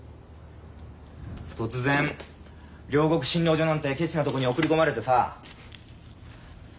突然両国診療所なんてケチなとこに送り込まれてさ。